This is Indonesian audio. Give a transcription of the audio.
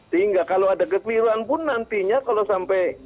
sehingga kalau ada kekeliruan pun nantinya kalau sampai